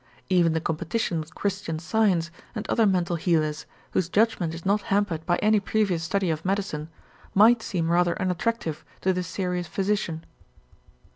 Even the competition with Christian Science, and other mental healers whose judgment is not hampered by any previous study of medicine, might seem rather unattractive to the serious physician.